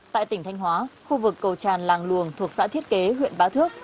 tại tỉnh thanh hóa khu vực cầu tràn làng luồng thuộc xã thiết kế huyện bá thước